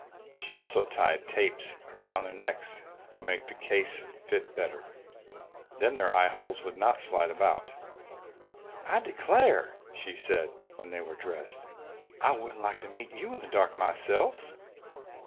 She also tied tapes around their necks to make the cases fit better. Then their eye holes would not slide about. "I declare!" she said when they were dressed. "I wouldn't like to meet you in the dark myself!"